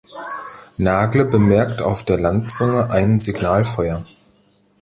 Nagle bemerkt auf der Landzunge ein Signalfeuer.